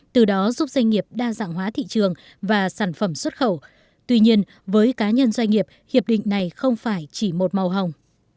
từ đó giúp doanh nghiệp đa dạng hóa thị trường và sản phẩm xuất khẩu tuy nhiên với cá nhân doanh nghiệp hiệp định này không phải chỉ một màu hồng